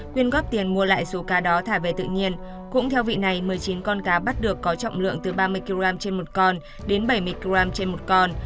quyên góp tiền mua lại số cá đó thả về tự nhiên cũng theo vị này một mươi chín con cá bắt được có trọng lượng từ ba mươi kg trên một con đến bảy mươi g trên một con